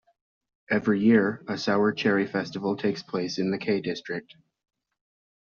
Every year, a sour cherry festival takes place in the Cay district.